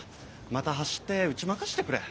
また走って打ち負かしてくれ。